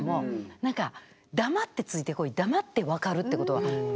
なんか黙ってついてこい黙って分かるってことは無理。